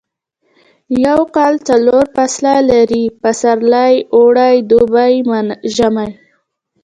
یو کال څلور فصله لري پسرلی اوړی دوبی ژمی